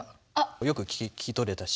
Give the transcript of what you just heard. よく聞き取れたし